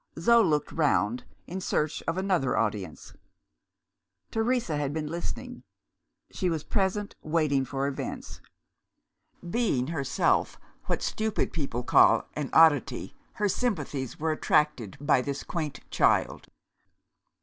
Zo looked round, in search of another audience. Teresa had been listening; she was present, waiting for events. Being herself what stupid people call "an oddity," her sympathies were attracted by this quaint child.